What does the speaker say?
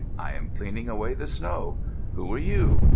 I am cleaning away the snow. Who are you?